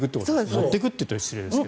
持っていくって言ったら失礼ですが。